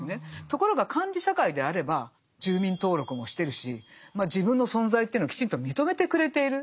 ところが管理社会であれば住民登録もしてるし自分の存在というのをきちんと認めてくれている。